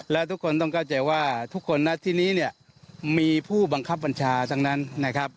และทุกคนต้องเข้าใจว่าทุกคนที่นี้มีผู้บังคับบัญชาทั้งนั้น